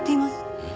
えっ？